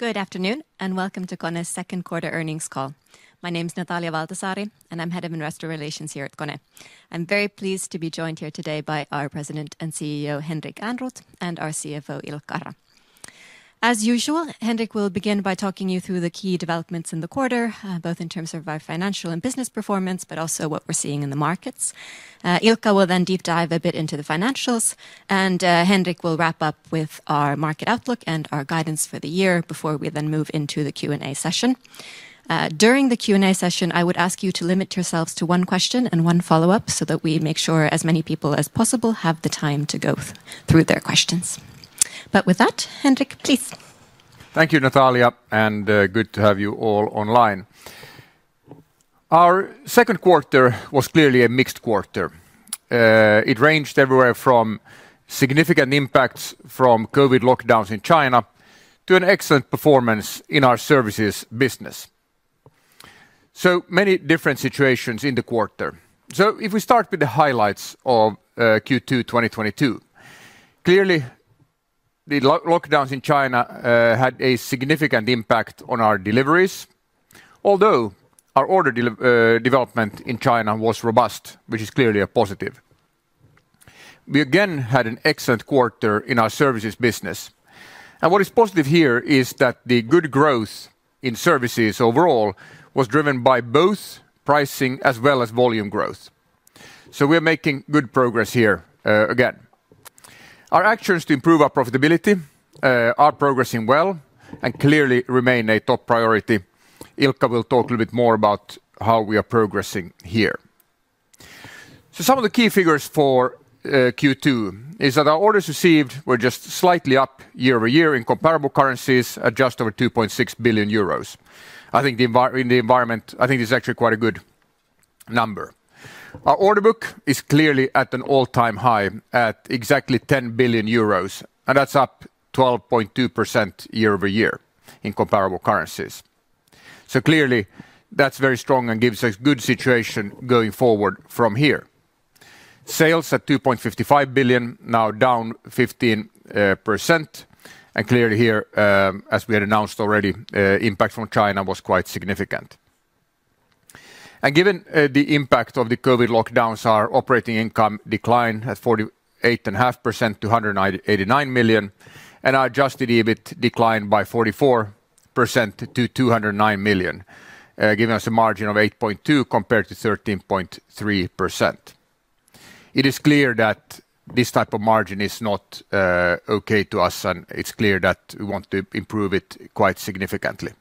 Good afternoon, and welcome to KONE's second quarter earnings call. My name is Natalia Valtasaari, and I'm Head of Investor Relations here at KONE. I'm very pleased to be joined here today by our President and CEO, Henrik Ehrnrooth, and our CFO, Ilkka Hara. As usual, Henrik will begin by talking you through the key developments in the quarter, both in terms of our financial and business performance, but also what we're seeing in the markets. Ilkka will then deep dive a bit into the financials and, Henrik will wrap up with our market outlook and our guidance for the year before we then move into the Q&A session. During the Q&A session, I would ask you to limit yourselves to one question and one follow-up so that we make sure as many people as possible have the time to go through their questions. With that, Henrik, please. Thank you, Natalia, and good to have you all online. Our second quarter was clearly a mixed quarter. It ranged everywhere from significant impacts from COVID lockdowns in China to an excellent performance in our Services business. Many different situations in the quarter. If we start with the highlights of Q2 2022. Clearly, the lockdowns in China had a significant impact on our deliveries. Although our development in China was robust, which is clearly a positive. We again had an excellent quarter in our Services business. What is positive here is that the good growth in Services overall was driven by both pricing as well as volume growth. We're making good progress here again. Our actions to improve our profitability are progressing well and clearly remain a top priority. Ilkka will talk a little bit more about how we are progressing here. Some of the key figures for Q2 is that our orders received were just slightly up year-over-year in comparable currencies at just over 2.6 billion euros. I think in the environment, I think it's actually quite a good number. Our order book is clearly at an all-time high at exactly 10 billion euros, and that's up 12.2% year-over-year in comparable currencies. Clearly, that's very strong and gives us good situation going forward from here. Sales at 2.55 billion, now down 15%. Clearly here, as we had announced already, impact from China was quite significant. Given the impact of the COVID lockdowns, our operating income declined 48.5% to 189 million, and our adjusted EBIT declined 44% to 209 million, giving us a margin of 8.2% compared to 13.3%. It is clear that this type of margin is not okay to us, and it's clear that we want to improve it quite significantly.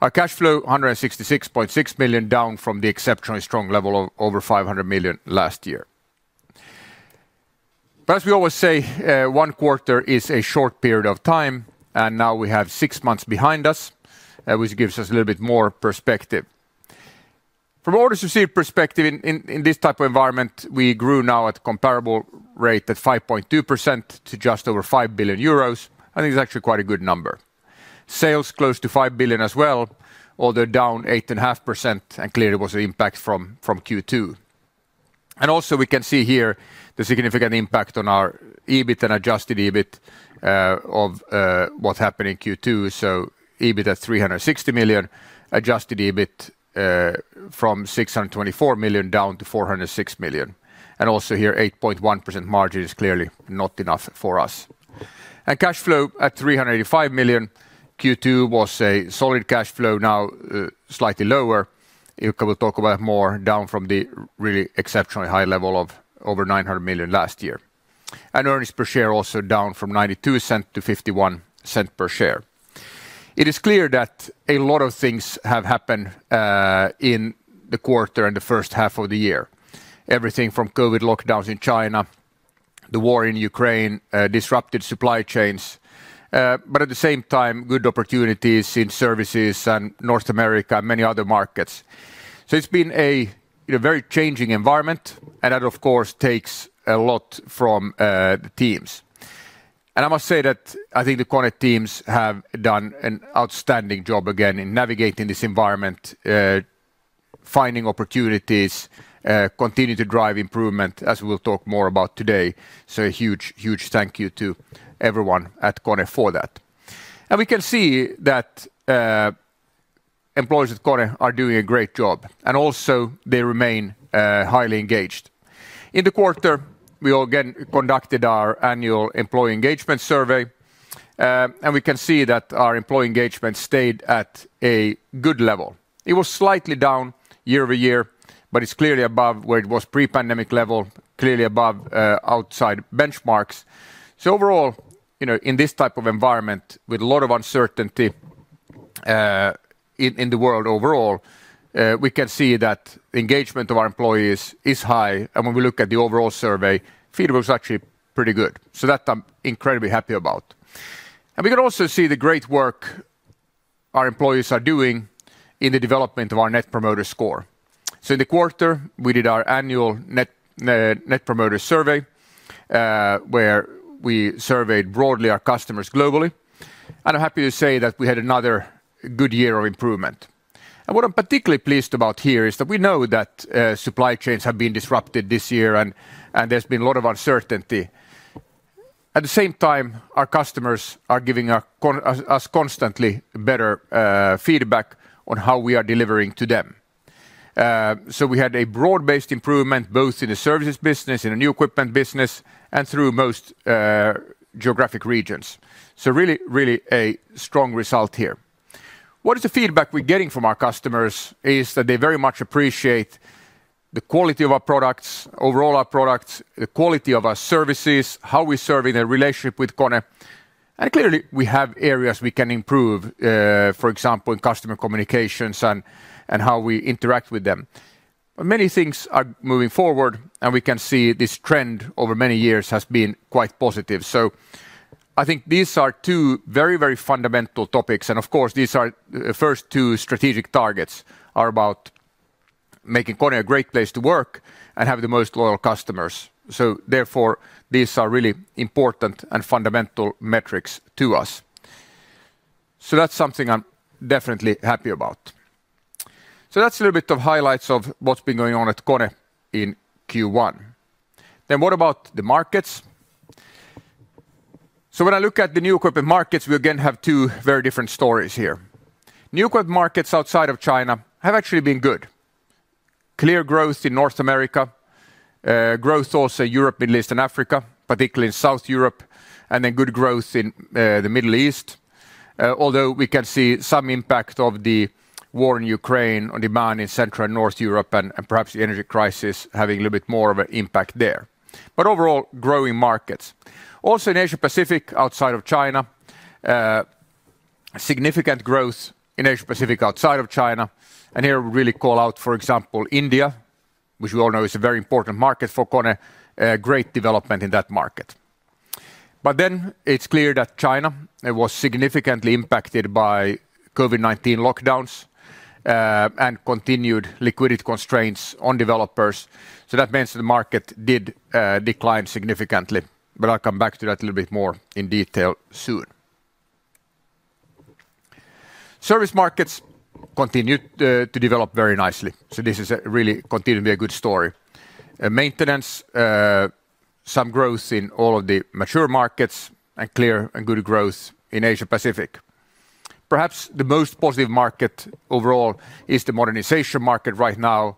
Our cash flow, 166.6 million, down from the exceptionally strong level of over 500 million last year. As we always say, one quarter is a short period of time, and now we have six months behind us, which gives us a little bit more perspective. From orders received perspective in this type of environment, we grew now at comparable rate at 5.2% to just over 5 billion euros. I think it's actually quite a good number. Sales close to 5 billion as well, although down 8.5%, and clearly was the impact from Q2. We can see here the significant impact on our EBIT and adjusted EBIT of what happened in Q2. EBIT at 360 million, adjusted EBIT from 624 million down to 406 million. Here, 8.1% margin is clearly not enough for us. Cash flow at 385 million, Q2 was a solid cash flow, now slightly lower. Ilkka will talk about more down from the really exceptionally high level of over 900 million last year. Earnings per share also down from 0.92 to 0.51 per share. It is clear that a lot of things have happened in the quarter and the first half of the year. Everything from COVID lockdowns in China, the war in Ukraine, disrupted supply chains, but at the same time, good opportunities in Services and North America and many other markets. It's been a, you know, very changing environment, and that, of course, takes a lot from the teams. I must say that I think the KONE teams have done an outstanding job again in navigating this environment, finding opportunities, continue to drive improvement, as we'll talk more about today. A huge thank you to everyone at KONE for that. We can see that employees at KONE are doing a great job, and also they remain highly engaged. In the quarter, we all again conducted our annual employee engagement survey, and we can see that our employee engagement stayed at a good level. It was slightly down year-over-year, but it's clearly above where it was pre-pandemic level, clearly above outside benchmarks. Overall, you know, in this type of environment, with a lot of uncertainty in the world overall, we can see that engagement of our employees is high. When we look at the overall survey, feedback was actually pretty good. That I'm incredibly happy about. We can also see the great work our employees are doing in the development of our Net Promoter Score. In the quarter, we did our annual Net Promoter survey, where we surveyed broadly our customers globally. I'm happy to say that we had another good year of improvement. What I'm particularly pleased about here is that we know that supply chains have been disrupted this year and there's been a lot of uncertainty. At the same time, our customers are giving us constantly better feedback on how we are delivering to them. We had a broad-based improvement, both in the Services business, in the New Equipment business, and through most geographic regions. Really a strong result here. What is the feedback we're getting from our customers is that they very much appreciate the quality of our products, overall our products, the quality of our services, how we serve in a relationship with KONE, and clearly we have areas we can improve, for example, in customer communications and how we interact with them. Many things are moving forward, and we can see this trend over many years has been quite positive. I think these are two very, very fundamental topics, and of course, these are first two strategic targets are about making KONE a great place to work and have the most loyal customers. Therefore, these are really important and fundamental metrics to us. That's something I'm definitely happy about. That's a little bit of highlights of what's been going on at KONE in Q1. What about the markets? When I look at the New Equipment markets, we again have two very different stories here. New Equipment markets outside of China have actually been good. Clear growth in North America, growth also in Europe, Middle East, and Africa, particularly in South Europe, and then good growth in the Middle East, although we can see some impact of the war in Ukraine on demand in Central and North Europe and perhaps the energy crisis having a little bit more of an impact there. Overall, growing markets. Also in Asia Pacific, outside of China, significant growth in Asia Pacific outside of China, and here really call out, for example, India, which we all know is a very important market for KONE, a great development in that market. It's clear that China, it was significantly impacted by COVID-19 lockdowns, and continued liquidity constraints on developers. That means the market did decline significantly, but I'll come back to that a little bit more in detail soon. Service markets continued to develop very nicely, so this is really continuing to be a good story. Maintenance, some growth in all of the mature markets and clear and good growth in Asia Pacific. Perhaps the most positive market overall is the modernization market right now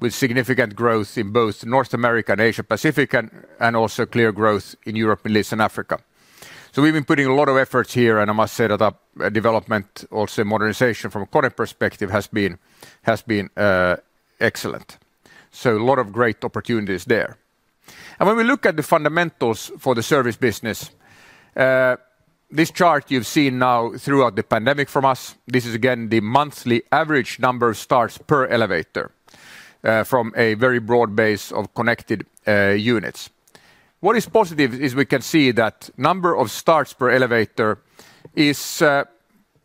with significant growth in both North America and Asia Pacific and also clear growth in Europe, Middle East, and Africa. We've been putting a lot of efforts here, and I must say that the development, also modernization from a KONE perspective has been excellent, so a lot of great opportunities there. When we look at the fundamentals for the Service business, this chart you've seen now throughout the pandemic from us. This is again the monthly average number of starts per elevator, from a very broad base of connected units. What is positive is we can see that number of starts per elevator is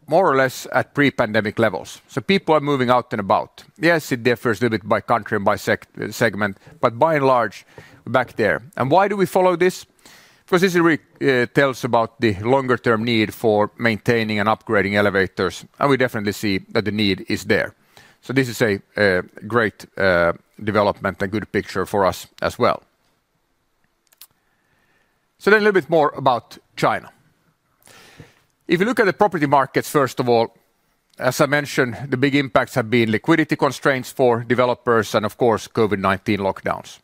more or less at pre-pandemic levels, so people are moving out and about. Yes, it differs a little bit by country and by segment, but by and large, back there. Why do we follow this? Because this really tells about the longer term need for maintaining and upgrading elevators, and we definitely see that the need is there. This is a great development, a good picture for us as well. Then a little bit more about China. If you look at the property markets, first of all, as I mentioned, the big impacts have been liquidity constraints for developers and, of course, COVID-19 lockdowns.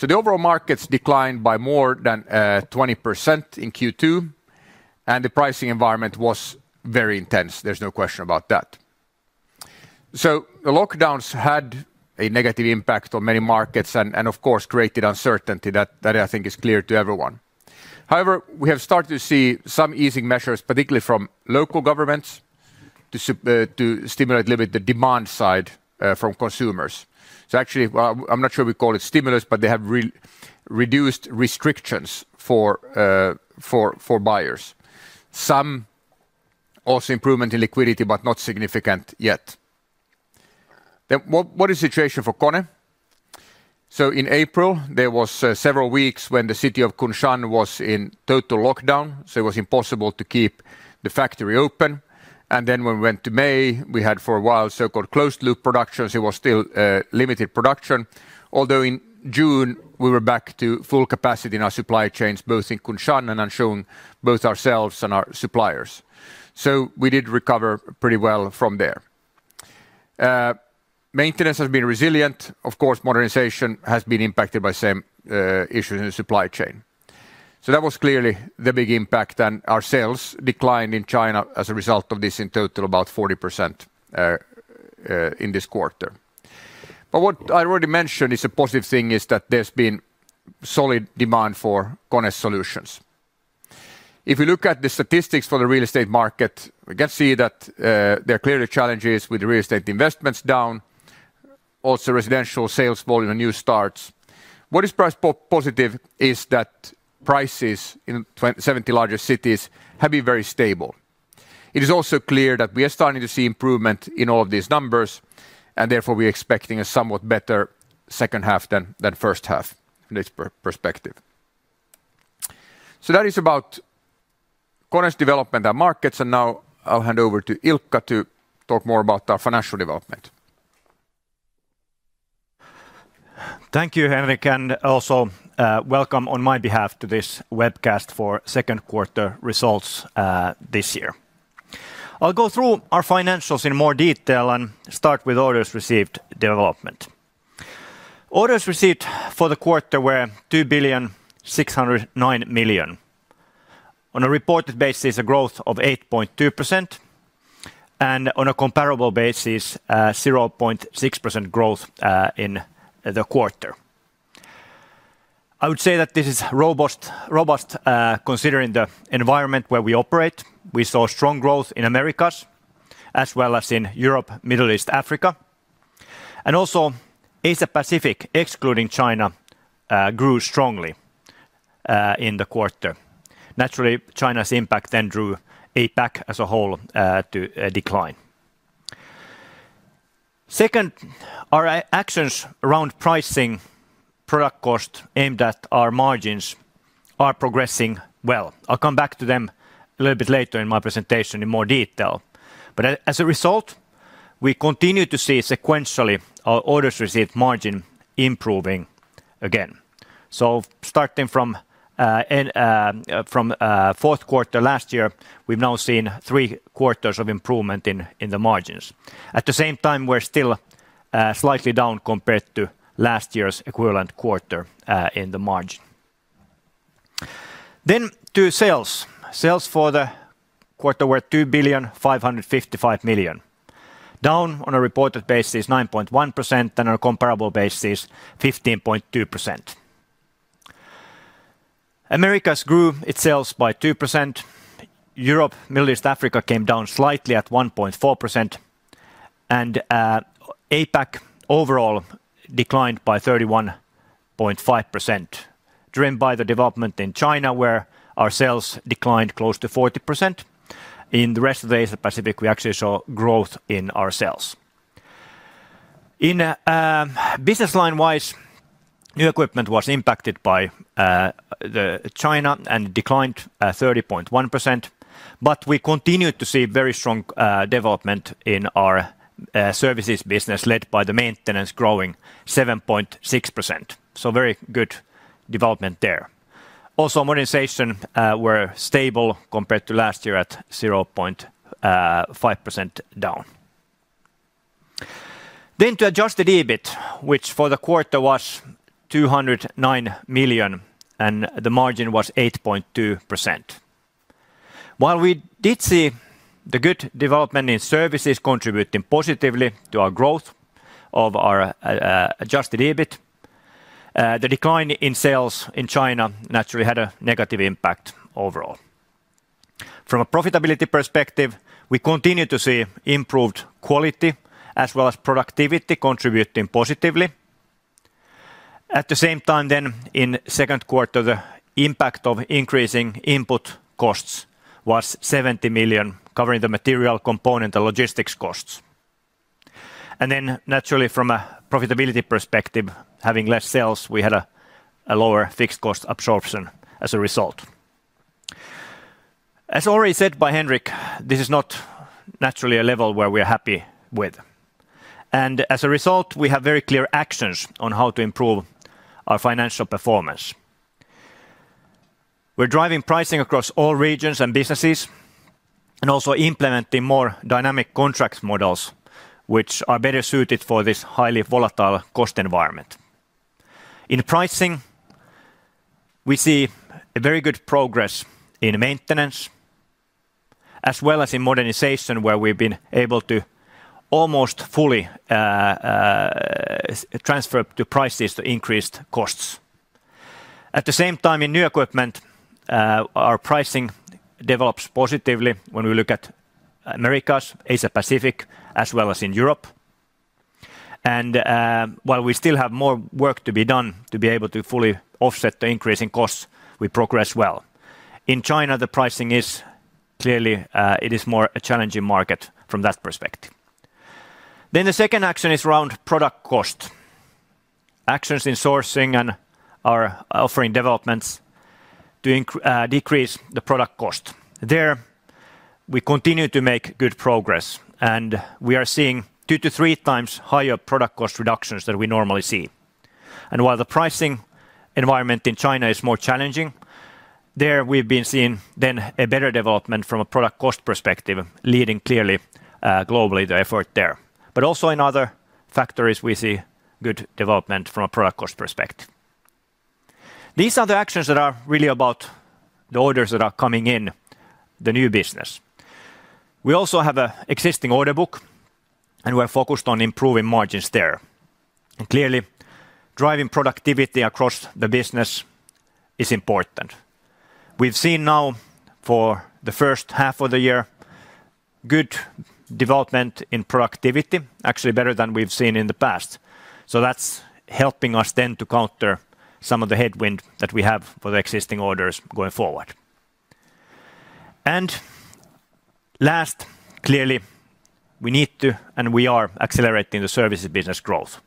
The overall markets declined by more than 20% in Q2, and the pricing environment was very intense. There's no question about that. The lockdowns had a negative impact on many markets and of course, created uncertainty. That I think is clear to everyone. However, we have started to see some easing measures, particularly from local governments to stimulate a little bit the demand side from consumers. Actually, well, I'm not sure we call it stimulus, but they have reduced restrictions for buyers. Some also improvement in liquidity, but not significant yet. What is situation for KONE? In April, there was several weeks when the City of Kunshan was in total lockdown, so it was impossible to keep the factory open. When we went to May, we had for a while so-called closed loop production, so it was still limited production. Although in June, we were back to full capacity in our supply chains, both in Kunshan and Nanxun, both ourselves and our suppliers. We did recover pretty well from there. Maintenance has been resilient. Of course, modernization has been impacted by same issues in the supply chain. That was clearly the big impact, and our sales declined in China as a result of this in total about 40% in this quarter. What I already mentioned is a positive thing is that there's been solid demand for KONE's solutions. If you look at the statistics for the real estate market, we can see that there are clearly challenges with real estate investments down, also residential sales volume and new starts. What is positive is that prices in 70 largest cities have been very stable. It is also clear that we are starting to see improvement in all of these numbers, and therefore we're expecting a somewhat better second half than first half from this perspective. That is about KONE's development and markets. Now I'll hand over to Ilkka to talk more about our financial development. Thank you, Henrik. Also, welcome on my behalf to this webcast for second quarter results this year. I'll go through our financials in more detail and start with orders received development. Orders received for the quarter were 2,609 million. On a reported basis, a growth of 8.2%, and on a comparable basis, 0.6% growth in the quarter. I would say that this is robust considering the environment where we operate. We saw strong growth in Americas as well as in Europe, Middle East, Africa. Also, Asia-Pacific, excluding China, grew strongly in the quarter. Naturally, China's impact then drew APAC as a whole to a decline. Second, our actions around pricing, product cost aimed at our margins are progressing well. I'll come back to them a little bit later in my presentation in more detail. As a result, we continue to see sequentially our orders received margin improving again. Starting from fourth quarter last year, we've now seen three quarters of improvement in the margins. At the same time, we're still slightly down compared to last year's equivalent quarter in the margin. To sales. Sales for the quarter were 2.555 billion, down on a reported basis 9.1% and on a comparable basis 15.2%. Americas grew its sales by 2%. Europe, Middle East, Africa came down slightly at 1.4%. APAC overall declined by 31.5%, driven by the development in China, where our sales declined close to 40%. In the rest of the Asia-Pacific, we actually saw growth in our sales. In business line-wise, New Equipment was impacted by China and declined 30.1%. We continued to see very strong development in our Services business led by maintenance growing 7.6%. Very good development there. Also modernization were stable compared to last year at 0.5% down. To adjusted EBIT, which for the quarter was 209 million and the margin was 8.2%. While we did see the good development in Services contributing positively to our growth of our adjusted EBIT, the decline in sales in China naturally had a negative impact overall. From a profitability perspective, we continue to see improved quality as well as productivity contributing positively. At the same time, in second quarter, the impact of increasing input costs was 70 million, covering the material component and logistics costs. Naturally from a profitability perspective, having less sales, we had a lower fixed cost absorption as a result. As already said by Henrik, this is not naturally a level where we are happy with. As a result, we have very clear actions on how to improve our financial performance. We're driving pricing across all regions and businesses and also implementing more dynamic contract models which are better suited for this highly volatile cost environment. In pricing, we see a very good progress in maintenance as well as in modernization, where we've been able to almost fully transfer the prices to increased costs. At the same time, in New Equipment, our pricing develops positively when we look at Americas, Asia Pacific, as well as in Europe. While we still have more work to be done to be able to fully offset the increase in costs, we progress well. In China, the pricing is clearly, it is more a challenging market from that perspective. The second action is around product cost. Actions in sourcing and are offering developments to decrease the product cost. There we continue to make good progress, and we are seeing two to three times higher product cost reductions than we normally see. While the pricing environment in China is more challenging, there we've been seeing then a better development from a product cost perspective, leading clearly globally the effort there. Also in other factories, we see good development from a product cost perspective. These are the actions that are really about the orders that are coming in the new business. We also have an existing order book, and we're focused on improving margins there. Clearly, driving productivity across the business is important. We've seen now for the first half of the year good development in productivity, actually better than we've seen in the past. That's helping us then to counter some of the headwind that we have for the existing orders going forward. Last, clearly we need to, and we are accelerating the services business growth.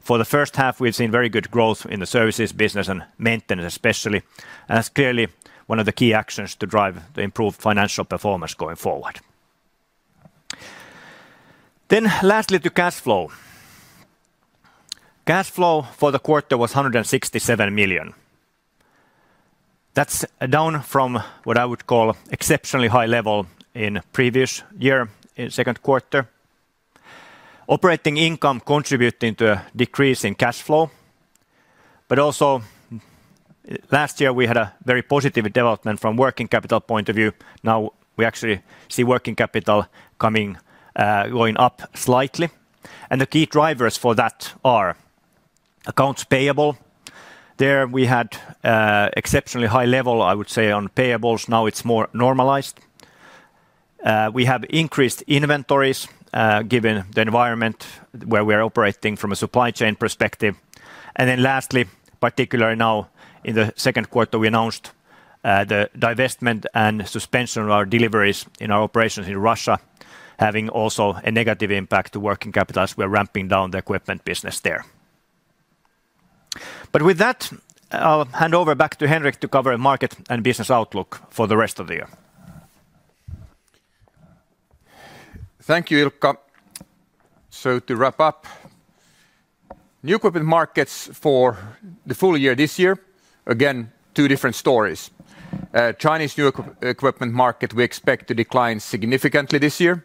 For the first half, we've seen very good growth in the Services business and maintenance especially, and that's clearly one of the key actions to drive the improved financial performance going forward. Lastly, to cash flow. Cash flow for the quarter was 167 million. That's down from what I would call exceptionally high level in previous year in second quarter. Operating income contributing to a decrease in cash flow. Also last year we had a very positive development from working capital point of view. Now we actually see working capital coming, going up slightly. The key drivers for that are accounts payable. There we had exceptionally high level, I would say, on payables. Now it's more normalized. We have increased inventories, given the environment where we are operating from a supply chain perspective. Then lastly, particularly now in the second quarter, we announced the divestment and suspension of our deliveries in our operations in Russia, having also a negative impact to working capital as we're ramping down the equipment business there. With that, I'll hand over back to Henrik to cover market and business outlook for the rest of the year. Thank you, Ilkka. To wrap up, New Equipment markets for the full year this year, again, two different stories. Chinese new equipment market, we expect to decline significantly this year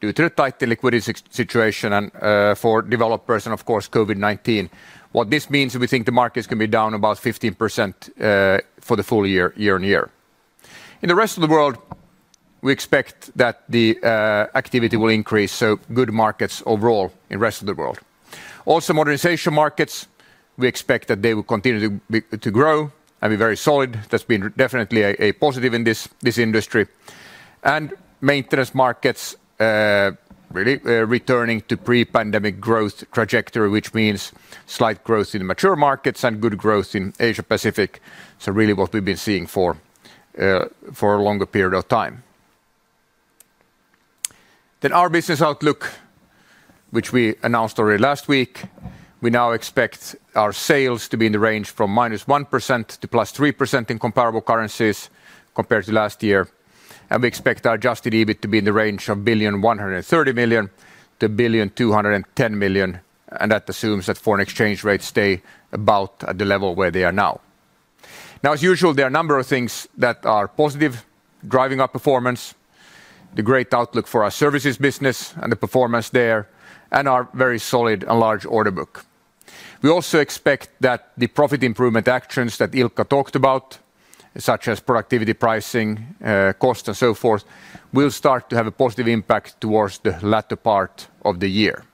due to the tight liquidity situation and for developers and of course COVID-19. What this means is we think the market is gonna be down about 15% for the full year, year-on-year. In the rest of the world, we expect that the activity will increase, so good markets overall in rest of the world. Also modernization markets, we expect that they will continue to grow and be very solid. That's been definitely a positive in this industry. Maintenance markets, really, returning to pre-pandemic growth trajectory, which means slight growth in mature markets and good growth in Asia-Pacific. Really what we've been seeing for a longer period of time. Our business outlook, which we announced already last week, we now expect our sales to be in the range from -1% to +3% in comparable currencies compared to last year. We expect our adjusted EBIT to be in the range of 1.130 billion-1.210 billion, and that assumes that foreign exchange rates stay about at the level where they are now. Now, as usual, there are a number of things that are positive, driving our performance, the great outlook for our Services business and the performance there, and our very solid and large order book. We also expect that the profit improvement actions that Ilkka talked about, such as productivity pricing, cost and so forth, will start to have a positive impact towards the latter part of the year.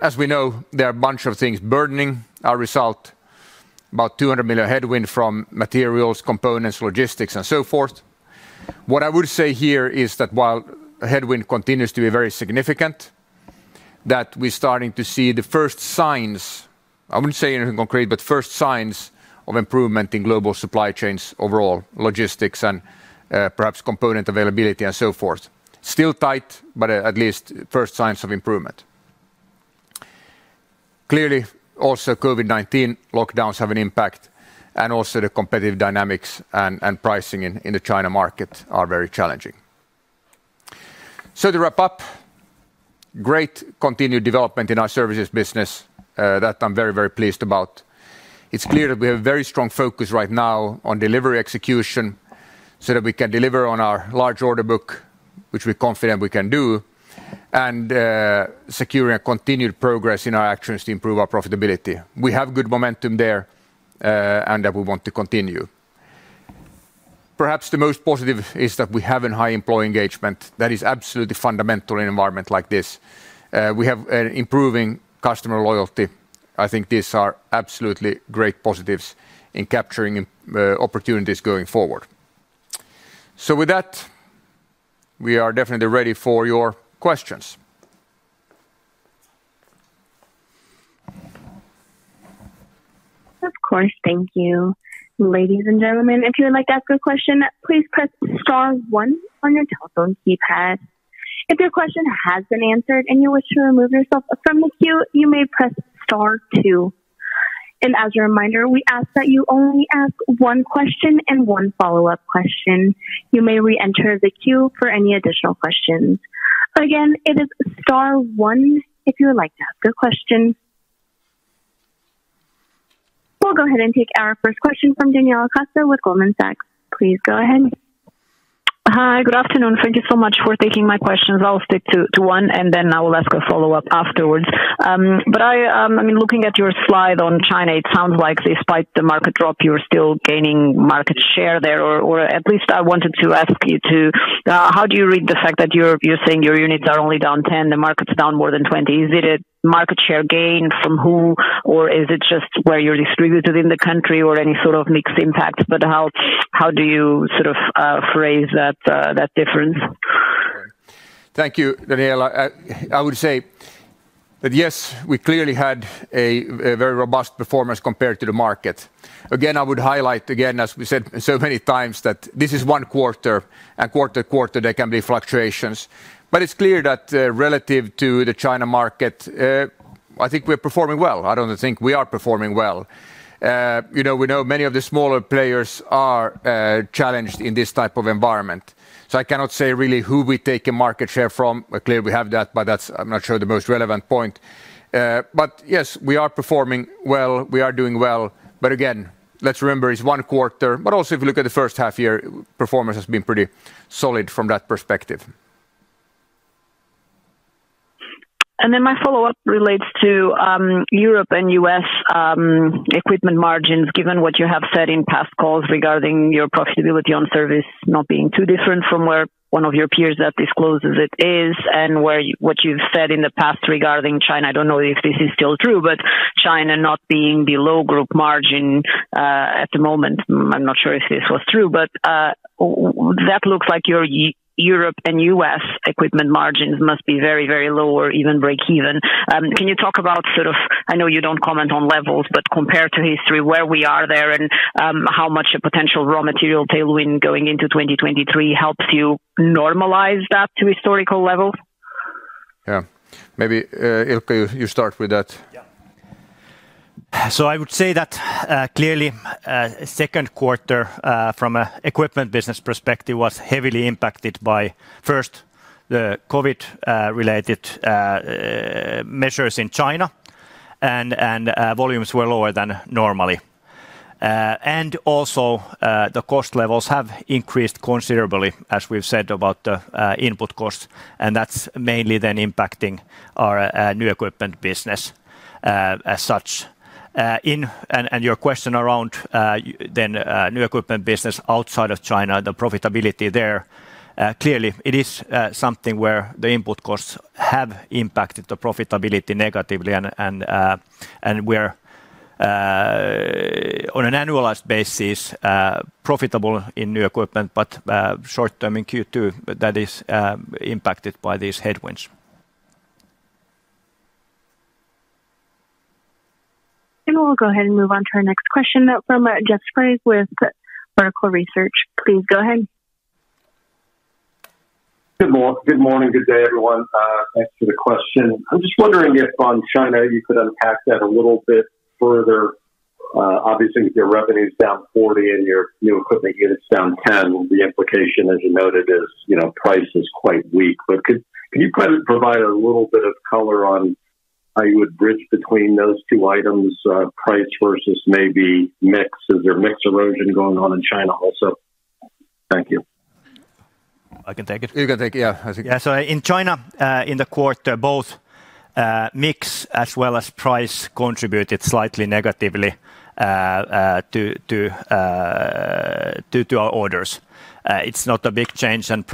As we know, there are a bunch of things burdening our result, about 200 million headwind from materials, components, logistics and so forth. What I would say here is that while headwind continues to be very significant, that we're starting to see the first signs, I wouldn't say anything concrete, but first signs of improvement in global supply chains overall, logistics and, perhaps component availability and so forth. Still tight, but at least first signs of improvement. Clearly, also COVID-19 lockdowns have an impact and also the competitive dynamics and pricing in the China market are very challenging. To wrap up, great continued development in our Services business, that I'm very, very pleased about. It's clear that we have a very strong focus right now on delivery execution so that we can deliver on our large order book, which we're confident we can do, and, secure a continued progress in our actions to improve our profitability. We have good momentum there, and that we want to continue. Perhaps the most positive is that we have a high employee engagement that is absolutely fundamental in an environment like this. We have an improving customer loyalty. I think these are absolutely great positives in capturing, opportunities going forward. With that, we are definitely ready for your questions. Of course. Thank you. Ladies and gentlemen, if you would like to ask a question, please press star one on your telephone keypad. If your question has been answered and you wish to remove yourself from the queue, you may press star two. As a reminder, we ask that you only ask one question and one follow-up question. You may re-enter the queue for any additional questions. Again, it is star one if you would like to ask a question. We'll go ahead and take our first question from Daniela Costa with Goldman Sachs. Please go ahead. Hi. Good afternoon. Thank you so much for taking my questions. I'll stick to one, and then I will ask a follow-up afterwards. But I mean, looking at your slide on China, it sounds like despite the market drop, you're still gaining market share there, or at least I wanted to ask you to how do you read the fact that you're saying your units are only down 10%, the market's down more than 20%. Is it a market share gain from who or is it just where you're distributed in the country or any sort of mixed impact, but how do you sort of phrase that difference? Thank you, Daniela. I would say that, yes, we clearly had a very robust performance compared to the market. Again, I would highlight, as we said so many times, that this is one quarter and quarter-to-quarter there can be fluctuations. It's clear that, relative to the China market, I think we're performing well. I don't think we are performing well. You know, we know many of the smaller players are challenged in this type of environment. I cannot say really who we're taking market share from. Clearly we have that. I'm not sure the most relevant point. Yes, we are performing well. We are doing well. Again, let's remember it's one quarter. Also if you look at the first half year, performance has been pretty solid from that perspective. Then my follow-up relates to Europe and U.S. equipment margins, given what you have said in past calls regarding your profitability on service not being too different from where one of your peers that discloses it is and what you've said in the past regarding China. I don't know if this is still true, but China not being below group margin at the moment. I'm not sure if this was true, but that looks like your Europe and U.S. equipment margins must be very, very low or even breakeven. Can you talk about sort of. I know you don't comment on levels, but compared to history, where we are there and how much a potential raw material tailwind going into 2023 helps you normalize that to historical levels? Yeah. Maybe, Ilkka, you start with that. Yeah, I would say that clearly second quarter from an equipment business perspective was heavily impacted by first the COVID-related measures in China and volumes were lower than normally. Also, the cost levels have increased considerably, as we've said about the input costs, and that's mainly then impacting our New Equipment business as such. Your question around then New Equipment business outside of China, the profitability there, clearly it is something where the input costs have impacted the profitability negatively and we're on an annualized basis profitable in New Equipment, but short term in Q2 that is impacted by these headwinds. We'll go ahead and move on to our next question from Jeff Sprague with Vertical Research. Please go ahead. Good morning. Good day, everyone. Thanks for the question. I'm just wondering if on China, you could unpack that a little bit further. Obviously, with your revenues down 40% and your New Equipment units down 10%, the implication, as you noted, is, you know, price is quite weak. But can you kind of provide a little bit of color on how you would bridge between those two items, price versus maybe mix? Is there mix erosion going on in China also? Thank you. I can take it. You can take it, yeah. Yeah. In China, in the quarter, both mix as well as price contributed slightly negatively to our orders. It's not a big change. Sorry,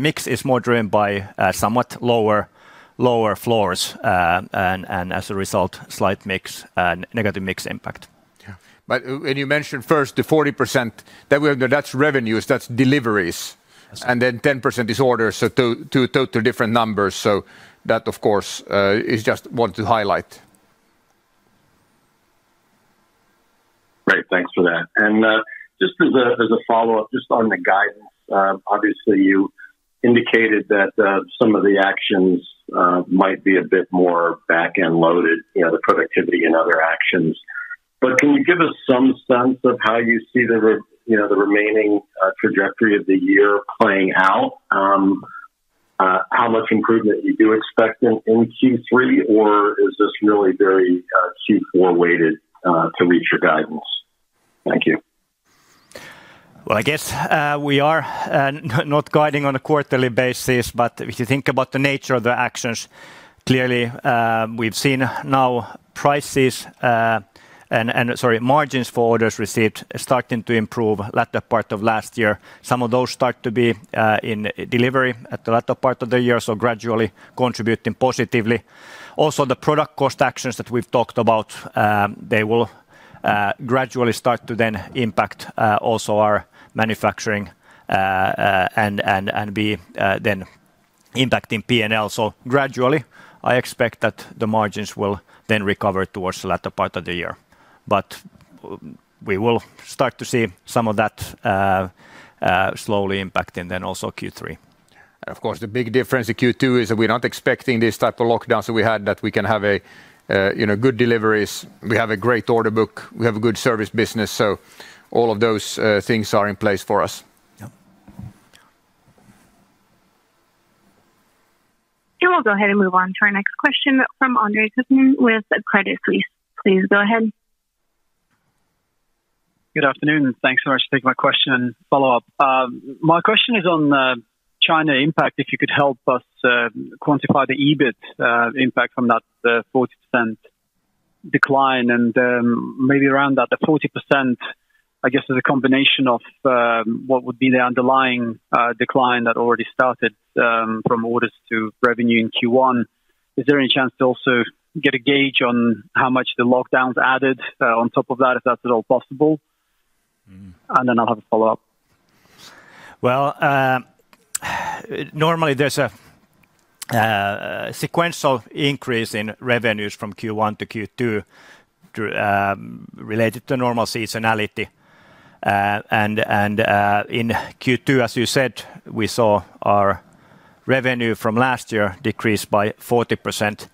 mix is more driven by somewhat lower floors, and as a result, slight negative mix impact. When you mentioned first the 40% that we're, that's revenues, that's deliveries. That's right. 10% is orders. Two different numbers. That, of course, is just want to highlight. Great. Thanks for that. Just as a follow-up, just on the guidance, obviously you indicated that some of the actions might be a bit more back-end loaded, you know, the productivity and other actions. Can you give us some sense of how you see the remaining trajectory of the year playing out? How much improvement you do expect in Q3? Or is this really very Q4 weighted to reach your guidance? Thank you. Well, I guess we are not guiding on a quarterly basis, but if you think about the nature of the actions, clearly we've seen now prices and margins for orders received starting to improve latter part of last year. Some of those start to be in delivery at the latter part of the year, so gradually contributing positively. Also, the product cost actions that we've talked about, they will gradually start to then impact also our manufacturing and be then impacting P&L. Gradually, I expect that the margins will then recover towards the latter part of the year. We will start to see some of that slowly impacting then also Q3. Of course, the big difference in Q2 is that we're not expecting this type of lockdowns that we had, that we can have a, you know, good deliveries. We have a great order book, we have a good service business, so all of those, things are in place for us. Yeah. We'll go ahead and move on to our next question from Andre Kukhnin with Credit Suisse. Please go ahead. Good afternoon, and thanks so much for taking my question and follow-up. My question is on China impact. If you could help us quantify the EBIT impact from that 40% decline and maybe around that the 40%, I guess, is a combination of what would be the underlying decline that already started from orders to revenue in Q1. Is there any chance to also get a gauge on how much the lockdowns added on top of that, if that's at all possible? Mm-hmm. I'll have a follow-up. Well, normally there's a sequential increase in revenues from Q1 to Q2 related to normal seasonality. In Q2, as you said, we saw our revenue from last year decrease by 40%.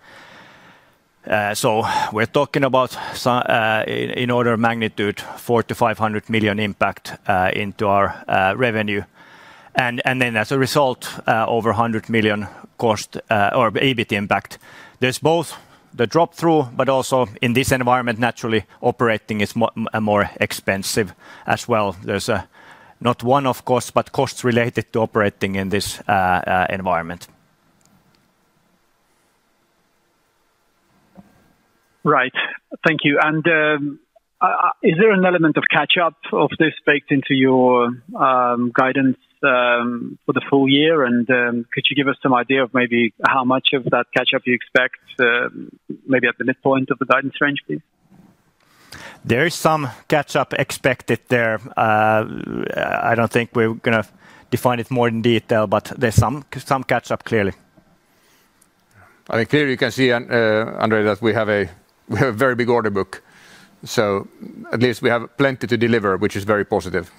We're talking about, in order of magnitude, 400 million-500 million impact into our revenue. As a result, over 100 million cost or EBIT impact. There's both the drop through, but also in this environment, naturally operating is more expensive as well. There's not one of course, but costs related to operating in this environment. Right. Thank you. Is there an element of catch-up of this baked into your guidance for the full year? Could you give us some idea of maybe how much of that catch-up you expect, maybe at the midpoint of the guidance range, please? There is some catch-up expected there. I don't think we're gonna define it more in detail, but there's some catch-up clearly. I think here you can see, Andre, that we have a very big order book. At least we have plenty to deliver, which is very positive.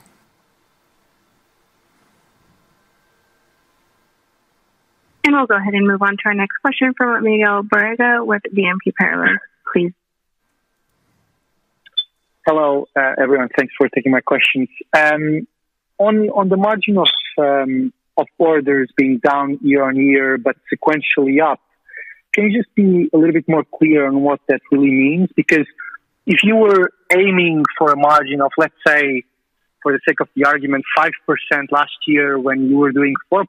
We'll go ahead and move on to our next question from Miguel Borrega with BNP Paribas, please. Hello, everyone. Thanks for taking my questions. On the margin of orders being down year-on-year but sequentially up, can you just be a little bit more clear on what that really means? Because if you were aiming for a margin of, let's say, for the sake of the argument, 5% last year when you were doing 4%,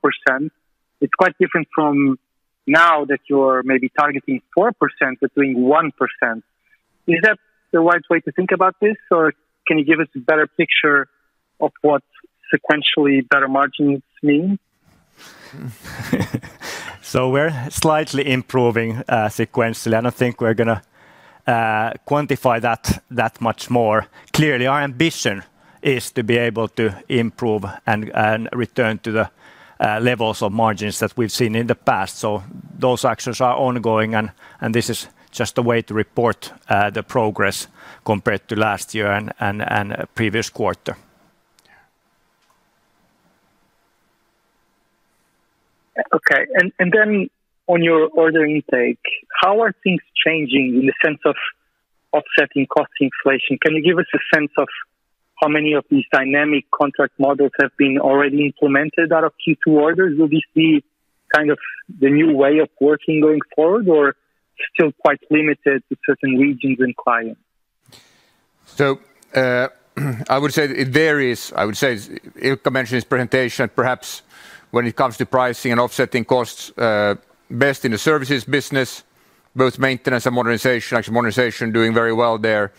it's quite different from now that you're maybe targeting 4% but doing 1%. Is that the right way to think about this? Or can you give us a better picture of what sequentially better margins mean? We're slightly improving sequentially. I don't think we're gonna quantify that much more. Clearly, our ambition is to be able to improve and return to the levels of margins that we've seen in the past. Those actions are ongoing and this is just a way to report the progress compared to last year and previous quarter. Okay. On your order intake, how are things changing in the sense of offsetting cost inflation? Can you give us a sense of how many of these dynamic contract models have been already implemented out of Q2 orders? Will we see kind of the new way of working going forward or still quite limited to certain regions and clients? I would say it varies. I would say Ilkka mentioned his presentation, perhaps when it comes to pricing and offsetting costs, best in the Services business, both maintenance and modernization. Actually, modernization doing very well there.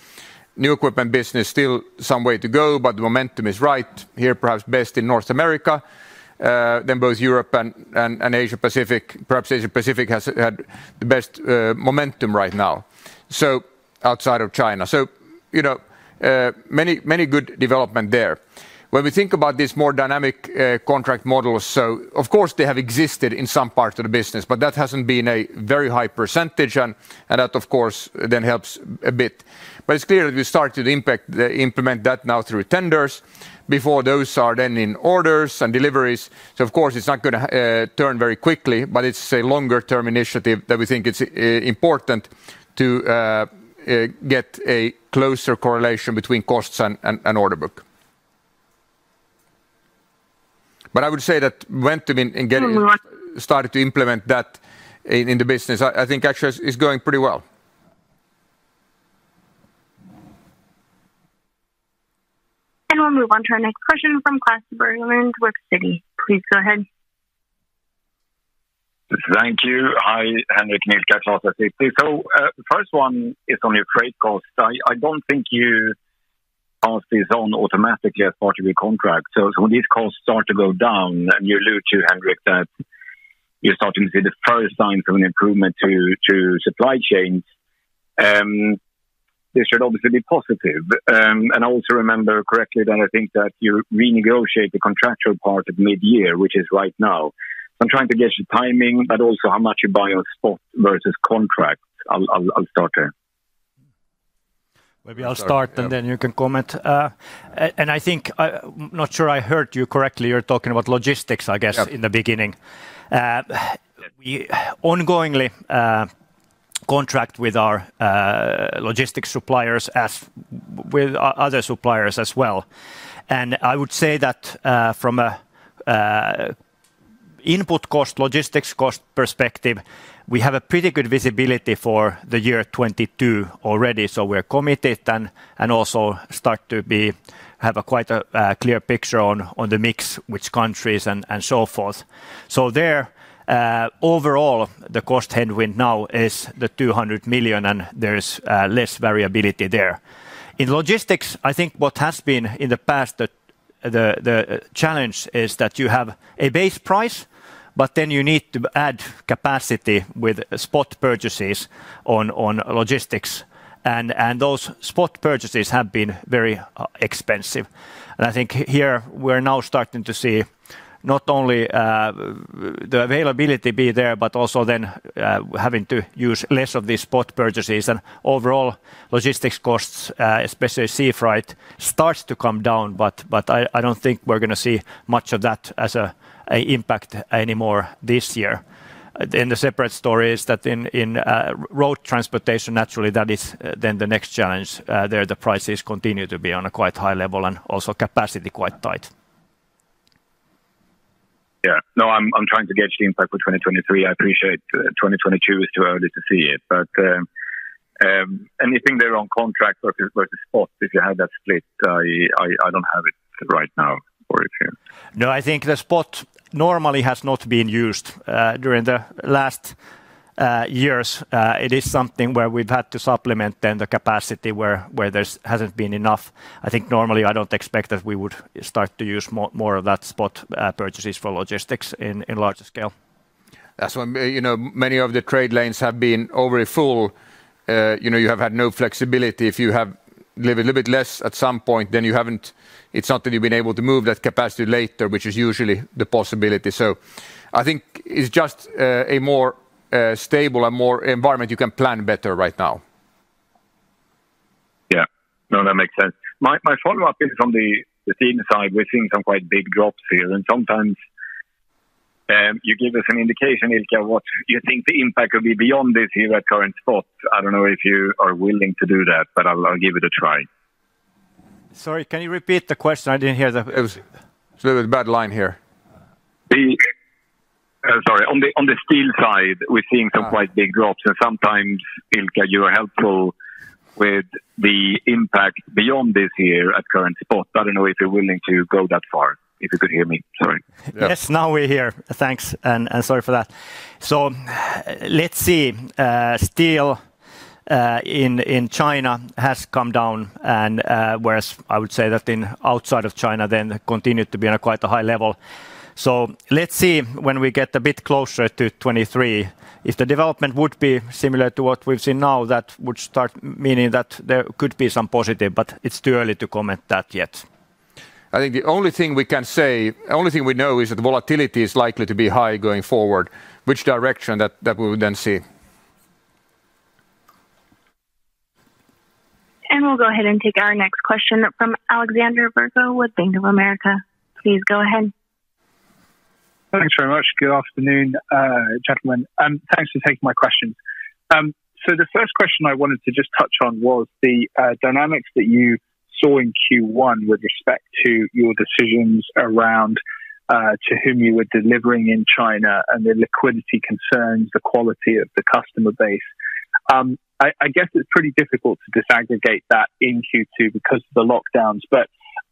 New Equipment business, still some way to go, but the momentum is right here, perhaps best in North America than both Europe and Asia-Pacific. Perhaps Asia-Pacific has had the best momentum right now, so outside of China. You know, many good developments there. When we think about these more dynamic contract models, of course they have existed in some parts of the business, but that hasn't been a very high percentage and that of course then helps a bit. It's clear we started to implement that now through tenders before those are then in orders and deliveries. Of course it's not gonna turn very quickly, but it's a longer-term initiative that we think it's important to get a closer correlation between costs and order book. I would say that momentum in getting started to implement that in the business I think actually is going pretty well. We'll move on to our next question from Klas Bergelind with Citi. Please go ahead. Thank you. Hi, Henrik, Ilkka. Klas at Citi. First one is on your freight costs. I don't think you pass these on automatically as part of your contract. When these costs start to go down and you allude to, Henrik, that you're starting to see the first signs of an improvement to supply chains, this should obviously be positive. I also remember correctly that I think that you renegotiate the contractual part at mid-year, which is right now. I'm trying to gauge the timing, but also how much you buy on spot versus contract. I'll start there. Maybe I'll start and then you can comment. Not sure I heard you correctly. You're talking about logistics, I guess. Yeah. In the beginning. We ongoingly contract with our logistics suppliers as with other suppliers as well. I would say that from a input cost, logistics cost perspective, we have a pretty good visibility for the year 2022 already. We're committed and also start to have quite a clear picture on the mix, which countries and so forth. There overall the cost headwind now is the 200 million and there's less variability there. In logistics, I think what has been in the past the challenge is that you have a base price, but then you need to add capacity with spot purchases on logistics. Those spot purchases have been very expensive. I think here we're now starting to see not only the availability be there, but also then having to use less of these spot purchases and overall logistics costs, especially sea freight, starts to come down, but I don't think we're gonna see much of that as a impact anymore this year. The separate story is that in road transportation, naturally, that is then the next challenge. There the prices continue to be on a quite high level and also capacity quite tight. I'm trying to gauge the impact for 2023. I appreciate 2022 is too early to see it. Anything there on contract versus spot, if you have that split, I don't have it right now or if you- No, I think the spot normally has not been used during the last years. It is something where we've had to supplement then the capacity where there hasn't been enough. I think normally I don't expect that we would start to use more of that spot purchases for logistics in larger scale. That's why, you know, many of the trade lanes have been overfull. You know, you have had no flexibility. If you have delivered a little bit less at some point, then it's not that you've been able to move that capacity later, which is usually the possibility. I think it's just a more stable and more environment you can plan better right now. Yeah. No, that makes sense. My follow-up is from the steel side. We're seeing some quite big drops here. Sometimes, you give us an indication, Ilkka, what you think the impact will be beyond this here at current spot. I don't know if you are willing to do that, but I'll give it a try. Sorry, can you repeat the question? I didn't hear the. It was a bad line here. Oh, sorry. On the steel side, we're seeing some quite big drops. Sometimes, Ilkka, you are helpful with the impact beyond this here at current spot. But I don't know if you're willing to go that far, if you could hear me. Sorry. Yes, now we hear. Thanks. Sorry for that. Let's see. Steel in China has come down and whereas I would say that outside of China it continued to be on a quite high level. Let's see when we get a bit closer to 2023. If the development would be similar to what we've seen now, that would start meaning that there could be some positive, but it's too early to comment that yet. I think the only thing we know is that the volatility is likely to be high going forward, which direction that we would then see. We'll go ahead and take our next question from Alexander Virgo with Bank of America. Please go ahead. Thanks very much. Good afternoon, gentlemen, and thanks for taking my question. The first question I wanted to just touch on was the dynamics that you saw in Q1 with respect to your decisions around to whom you were delivering in China and the liquidity concerns, the quality of the customer base. I guess it's pretty difficult to disaggregate that in Q2 because of the lockdowns.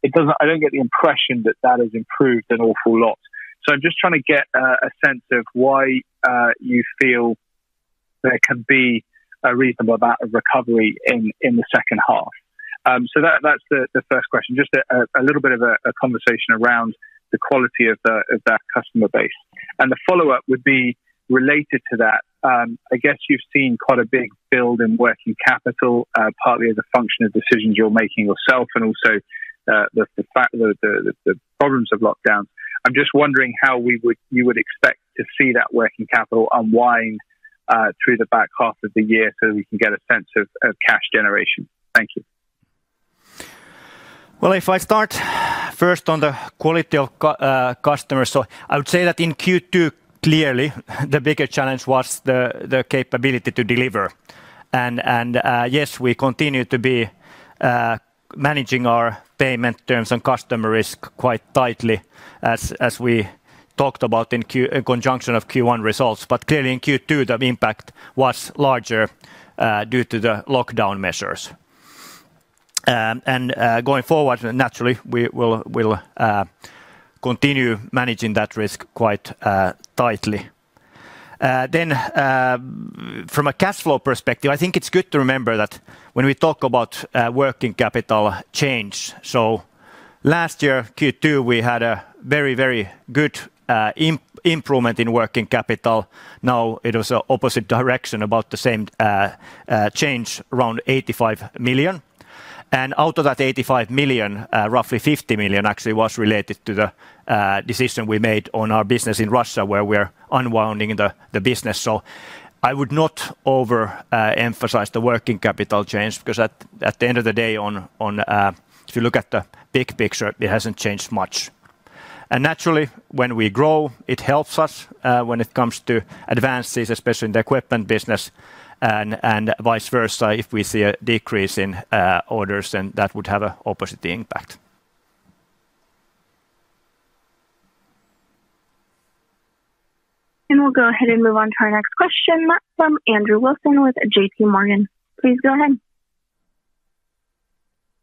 It doesn't. I don't get the impression that has improved an awful lot. I'm just trying to get a sense of why you feel there can be a reasonable amount of recovery in the second half. That's the first question, just a little bit of a conversation around the quality of that customer base. The follow-up would be related to that. I guess you've seen quite a big build in working capital, partly as a function of decisions you're making yourself and also, the problems of lockdown. I'm just wondering how you would expect to see that working capital unwind, through the back half of the year so we can get a sense of cash generation. Thank you. Well, if I start first on the quality of customers. I would say that in Q2, clearly the bigger challenge was the capability to deliver. Yes, we continue to be managing our payment terms and customer risk quite tightly as we talked about in conjunction with Q1 results. Clearly in Q2, the impact was larger due to the lockdown measures. Going forward, naturally we will continue managing that risk quite tightly. From a cash flow perspective, I think it's good to remember that when we talk about working capital change. Last year, Q2, we had a very good improvement in working capital. Now, it was an opposite direction about the same change around 85 million. Out of that 85 million, roughly 50 million actually was related to the decision we made on our business in Russia, where we're unwinding the business. I would not overemphasize the working capital change because at the end of the day, if you look at the big picture, it hasn't changed much. Naturally, when we grow, it helps us when it comes to advances, especially in the equipment business and vice versa. If we see a decrease in orders, then that would have a opposite impact. We'll go ahead and move on to our next question from Andrew Wilson with JPMorgan. Please go ahead.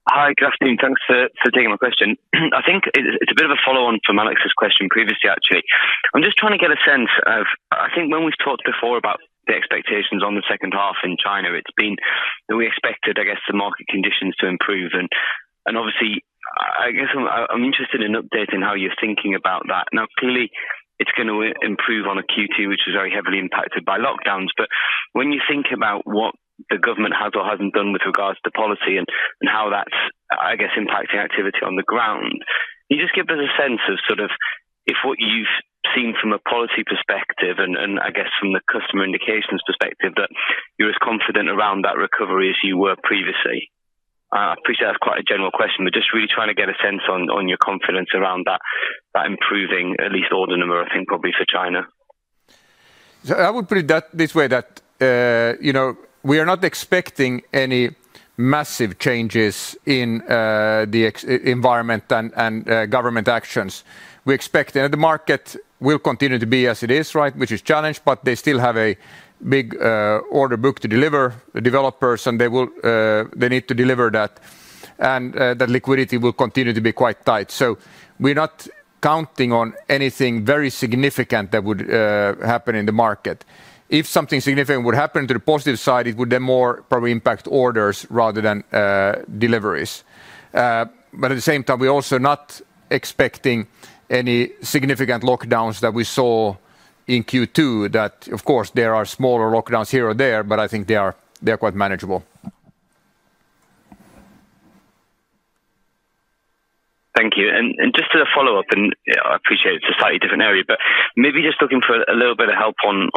Hi. Good afternoon. Thanks for taking my question. I think it's a bit of a follow-on from Alex's question previously, actually. I'm just trying to get a sense of. I think when we've talked before about the expectations on the second half. I guess the market conditions to improve and obviously I guess I'm interested in updating how you're thinking about that. Now, clearly it's gonna improve on a Q2, which is very heavily impacted by lockdowns. When you think about what the government has or hasn't done with regards to policy and how that's impacting activity on the ground, can you just give us a sense of sort of if what you've seen from a policy perspective and I guess from the customer indications perspective that you're as confident around that recovery as you were previously? I appreciate that's quite a general question, but just really trying to get a sense on your confidence around that improving at least order number I think probably for China. I would put it this way that, you know, we are not expecting any massive changes in the environment and government actions. We expect, you know, the market will continue to be as it is, right? Which is challenged, but they still have a big order book to deliver to the developers, and they will, they need to deliver that. The liquidity will continue to be quite tight. We're not counting on anything very significant that would happen in the market. If something significant would happen to the positive side, it would then more probably impact orders rather than deliveries. But at the same time, we're also not expecting any significant lockdowns that we saw in Q2 that, of course, there are smaller lockdowns here or there, but I think they are quite manageable. Thank you. Just as a follow-up, I appreciate it's a slightly different area, but maybe just looking for a little bit of help on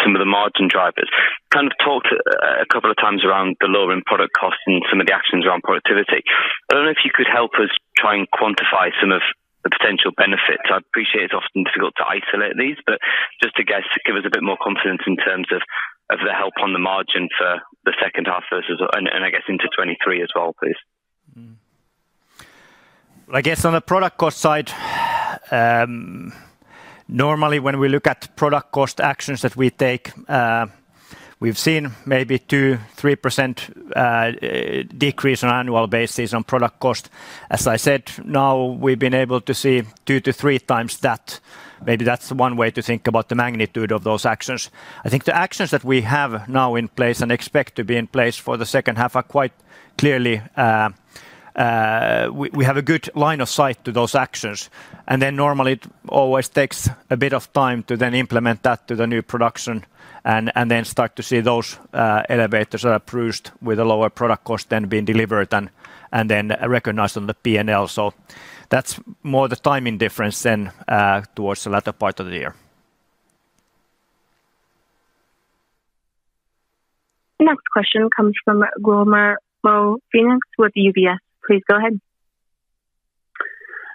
some of the margin drivers. Kind of talked a couple of times around the lowering product costs and some of the actions around productivity. I don't know if you could help us try and quantify some of the potential benefits. I appreciate it's often difficult to isolate these, but just to, I guess, give us a bit more confidence in terms of the help on the margin for the second half versus. I guess into 2023 as well, please. Well, I guess on the product cost side, normally when we look at product cost actions that we take, we've seen maybe 2%-3% decrease on annual basis on product cost. As I said, now we've been able to see 2x-3x that. Maybe that's one way to think about the magnitude of those actions. I think the actions that we have now in place and expect to be in place for the second half are quite clearly. We have a good line of sight to those actions, and then normally it always takes a bit of time to then implement that to the new production and then start to see those elevators produced with a lower product cost then being delivered and then recognized on the P&L. That's more the timing difference than towards the latter part of the year. The next question comes from Guillermo Peigneux with UBS. Please go ahead.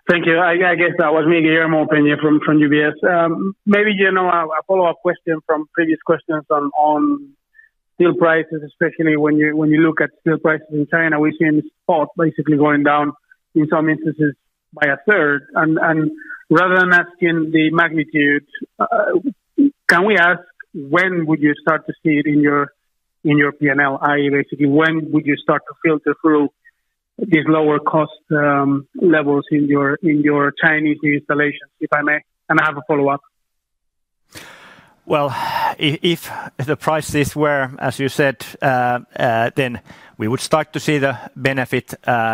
Thank you. I guess that was me, Guillermo Peigneux from UBS. Maybe, you know, a follow-up question from previous questions on steel prices, especially when you look at steel prices in China, we've seen spot prices basically going down, in some instances by a third. Rather than asking the magnitude, can we ask when would you start to see it in your P&L, i.e. basically, when would you start to filter through these lower cost levels in your Chinese new installations, if I may? I have a follow-up. Well, if the prices were as you said, then we would start to see the benefit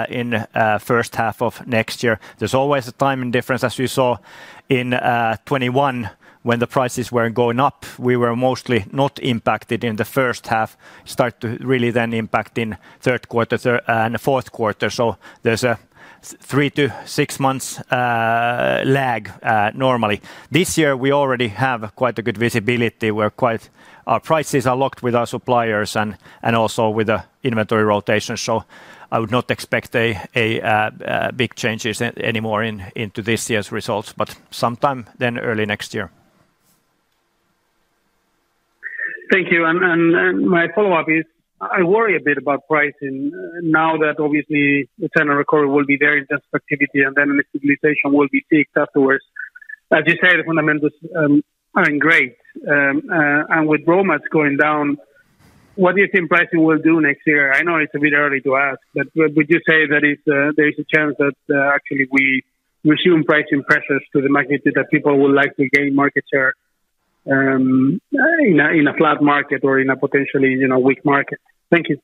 in first half of next year. There's always a timing difference, as you saw in 2021 when the prices were going up. We were mostly not impacted in the first half, started to really then impact in third quarter and fourth quarter. There's a three to six months lag normally. This year we already have quite a good visibility. Our prices are locked with our suppliers and also with the inventory rotation. I would not expect a big change anymore into this year's results, but sometime then early next year. Thank you. My follow-up is, I worry a bit about pricing now that obviously the China recovery will be very intense activity, and then a stabilization will be peaked afterwards. As you said, the fundamentals aren't great. And with raw mats going down, what do you think pricing will do next year? I know it's a bit early to ask, but would you say that if there is a chance that actually we resume pricing pressures to the magnitude that people would like to gain market share, in a flat market or in a potentially, you know, weak market? Thank you.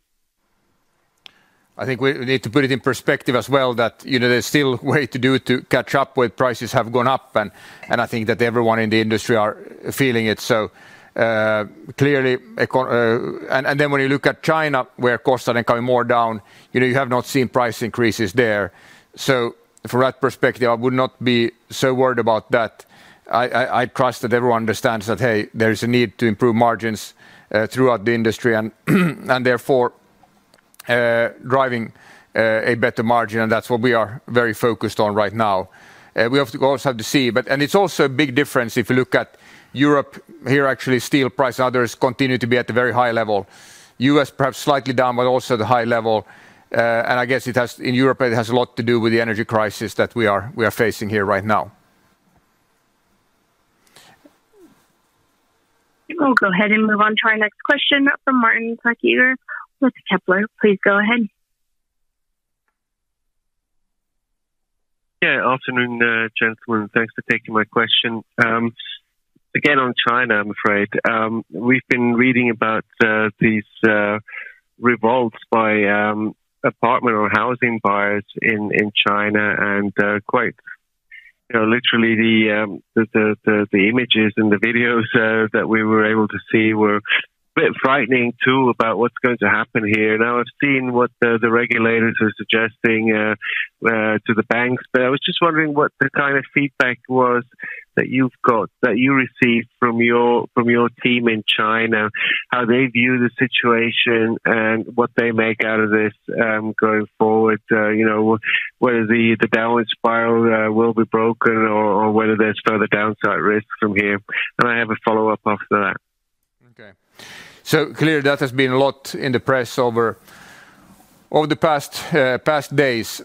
I think we need to put it in perspective as well that, you know, there's still way to do to catch up with prices have gone up, and I think that everyone in the industry are feeling it. Clearly, then when you look at China where costs are then coming more down, you know, you have not seen price increases there. From that perspective, I would not be so worried about that. I trust that everyone understands that, hey, there is a need to improve margins throughout the industry and therefore driving a better margin, and that's what we are very focused on right now. We also have to see. It's also a big difference if you look at Europe, here actually steel prices and others continue to be at the very high level. U.S. perhaps slightly down, but also the high level. I guess in Europe it has a lot to do with the energy crisis that we are facing here right now. We'll go ahead and move on to our next question from Martin Flueckiger with Kepler. Please go ahead. Yeah, afternoon, gentlemen. Thanks for taking my question. Again, on China, I'm afraid. We've been reading about these revolts by apartment or housing buyers in China and quite, you know, literally the images and the videos that we were able to see were a bit frightening too about what's going to happen here. Now I've seen what the regulators are suggesting to the banks, but I was just wondering what the kind of feedback was that you've got, that you received from your team in China, how they view the situation and what they make out of this going forward, you know, whether the downward spiral will be broken or whether there's further downside risks from here. I have a follow-up after that. Okay. Clearly that has been a lot in the press over the past days.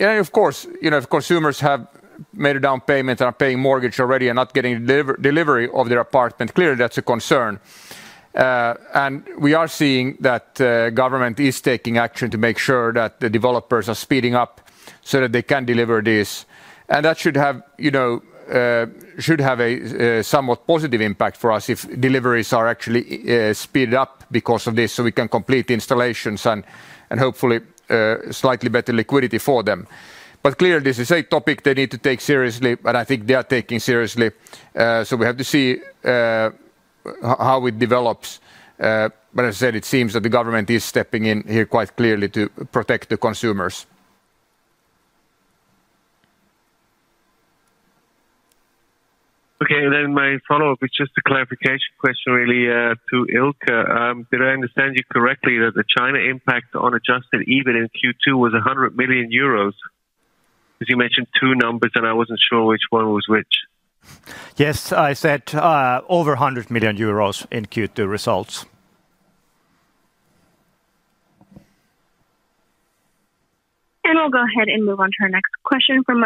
Of course, you know, if consumers have made a down payment and are paying mortgage already and not getting delivery of their apartment, clearly that's a concern. We are seeing that government is taking action to make sure that the developers are speeding up so that they can deliver this. That should have a somewhat positive impact for us if deliveries are actually sped up because of this, so we can complete the installations and hopefully slightly better liquidity for them. Clearly this is a topic they need to take seriously, and I think they are taking seriously. We have to see how it develops. As I said, it seems that the government is stepping in here quite clearly to protect the consumers. Okay. Then my follow-up is just a clarification question really, to Ilkka. Did I understand you correctly that the China impact on adjusted EBIT in Q2 was 100 million euros? Because you mentioned two numbers, and I wasn't sure which one was which. Yes. I said over 100 million euros in Q2 results. We'll go ahead and move on to our next question from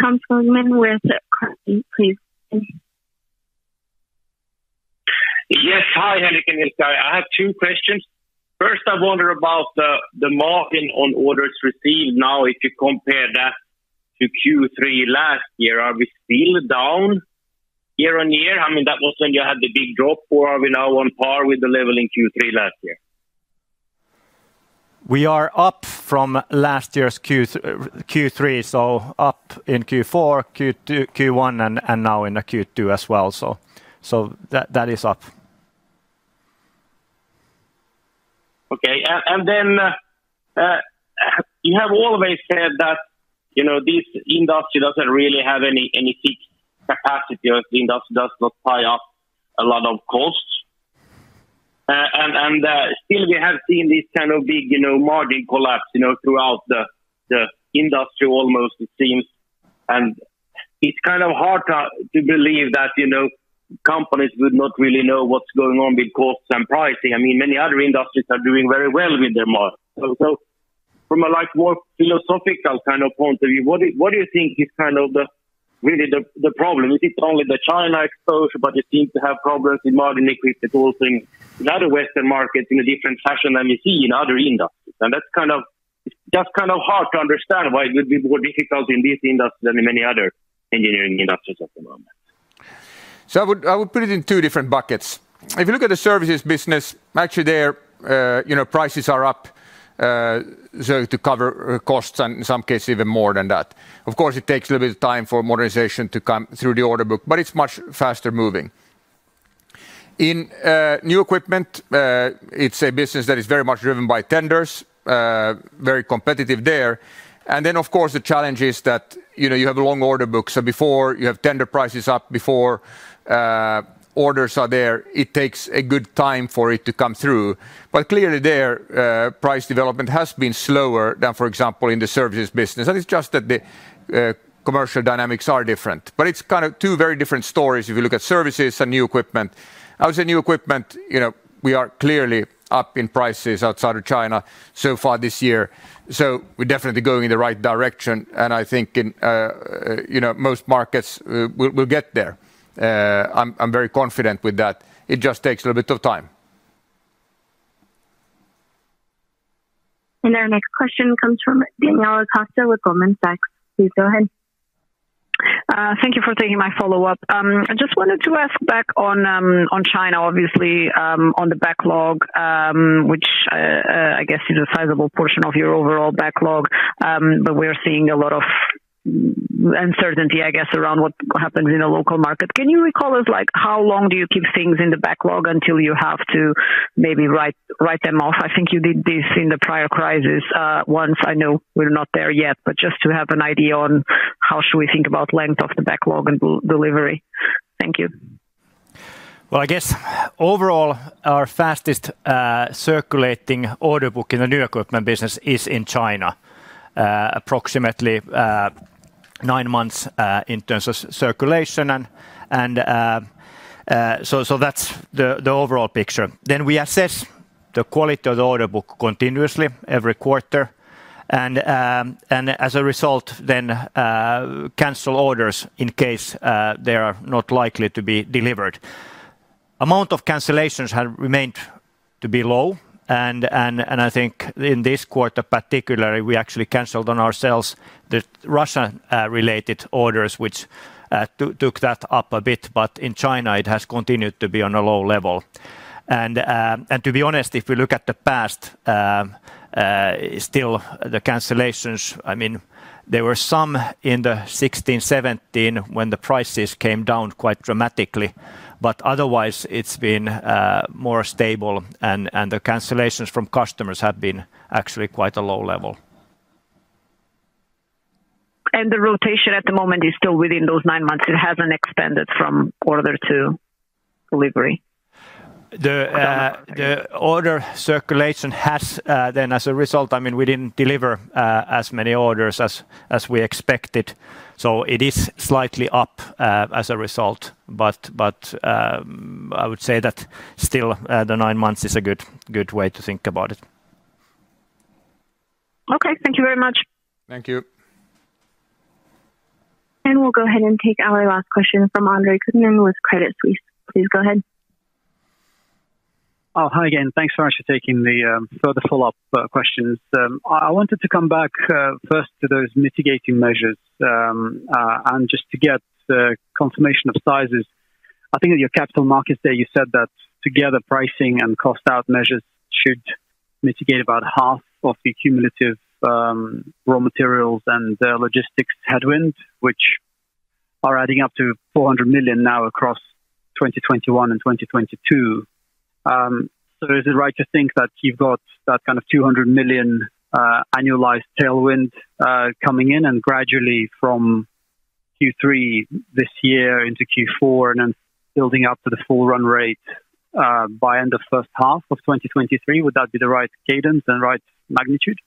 Hans Olsson with please. Yes. Hi, Henrik and Ilkka. I have two questions. First, I wonder about the margin on orders received now, if you compare that to Q3 last year, are we still down year-over-year? I mean, that was when you had the big drop, or are we now on par with the level in Q3 last year? We are up from last year's Q3, so up in Q4, Q2, Q1, and now in the Q2 as well. That is up. Okay. Then you have always said that, you know, this industry doesn't really have any peak capacity or the industry does not tie up a lot of costs. Still we have seen this kind of big, you know, margin collapse, you know, throughout the industry almost it seems. It's kind of hard to believe that, you know, companies would not really know what's going on with costs and pricing. I mean, many other industries are doing very well with their margins. From a, like, more philosophical kind of point of view, what do you think is kind of the problem? Is it only the China exposure, but it seems to have problems with margin liquidity, whole thing in other Western markets in a different fashion than we see in other industries. That's kind of, it's just kind of hard to understand why it would be more difficult in this industry than in many other engineering industries at the moment. I would put it in two different buckets. If you look at the Services business, actually there you know prices are up so to cover costs and in some cases even more than that. Of course, it takes a little bit of time for modernization to come through the order book, but it's much faster moving. In New Equipment, it's a business that is very much driven by tenders, very competitive there. Then of course, the challenge is that you know you have a long order book, so before you have tender prices up, orders are there, it takes a good time for it to come through. Clearly there price development has been slower than for example in the Services business. It's just that the commercial dynamics are different. It's kind of two very different stories if you look at Services and New Equipment. I would say New Equipment, you know, we are clearly up in prices outside of China so far this year, so we're definitely going in the right direction. I think in, you know, most markets we'll get there. I'm very confident with that. It just takes a little bit of time. Our next question comes from Daniela Costa with Goldman Sachs. Please go ahead. Thank you for taking my follow-up. I just wanted to ask back on China, obviously, on the backlog, which I guess is a sizable portion of your overall backlog. We're seeing a lot of uncertainty, I guess, around what happens in the local market. Can you remind us, like, how long do you keep things in the backlog until you have to maybe write them off? I think you did this in the prior crisis. I know we're not there yet, but just to have an idea on how should we think about length of the backlog and delivery. Thank you. Well, I guess overall, our fastest circulating order book in the New Equipment business is in China, approximately nine months in terms of circulation and so that's the overall picture. We assess the quality of the order book continuously every quarter and as a result then cancel orders in case they are not likely to be delivered. Amount of cancellations have remained to be low and I think in this quarter particularly, we actually canceled on ourselves the Russia related orders which took that up a bit. In China it has continued to be on a low level. To be honest, if we look at the past, still the cancellations, I mean there were some in the 2016, 2017 when the prices came down quite dramatically. Otherwise, it's been more stable and the cancellations from customers have been actually quite a low level. The rotation at the moment is still within those nine months. It hasn't extended from order to delivery? The order circulation has then as a result, I mean, we didn't deliver as many orders as we expected, so it is slightly up as a result. I would say that still the nine months is a good way to think about it. Okay. Thank you very much. Thank you. We'll go ahead and take our last question from Andre Kukhnin with Credit Suisse. Please go ahead. Oh, hi again. Thanks so much for taking the further follow-up questions. I wanted to come back first to those mitigating measures and just to get confirmation of sizes. I think at your Capital Markets Day you said that together pricing and cost out measures should mitigate about half of the cumulative raw materials and the logistics headwind, which are adding up to 400 million now across 2021 and 2022. Is it right to think that you've got that kind of 200 million annualized tailwind coming in and gradually from Q3 this year into Q4 and then building up to the full run rate by end of first half of 2023? Would that be the right cadence and right magnitude?